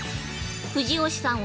藤吉さん